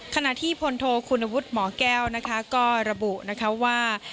ขณะที่พลโทคุณวุฒิหมอแก้วนะคะก็ระบุนะคะว่า